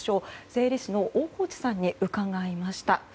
税理士の大河内さんに伺いました。